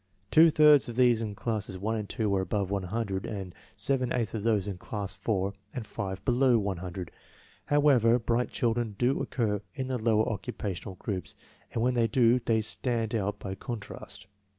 Two thirds of these in classes 1 and 2 were above 100, and seven eighths of those in classes 4 and 5 below 100. However, bright children do occur in the lower occu pational groups, and when they do they stand out by contrast.